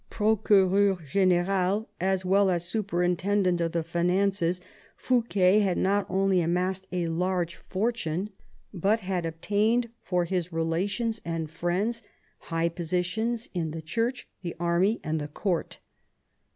Procv/rev/r gdniral as well as superintendent of the finances, Fouquet had not only amassed a large fortune, but had obtained VIII THE PEACE OF THE PYRENEES 153 for his relations and friends high positions in the church, the army, and the court.